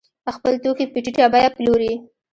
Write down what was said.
خپل توکي په ټیټه بیه پلوري.